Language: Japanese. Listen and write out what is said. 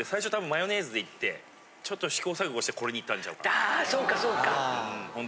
あそうかそうか。